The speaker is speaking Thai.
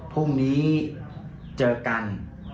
พรุ่งนี้เจอกัน